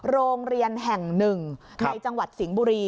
โรงเรียนแห่งหนึ่งในจังหวัดสิงห์บุรี